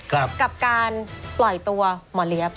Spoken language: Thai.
กับการปล่อยตัวหมอเลี้ยบ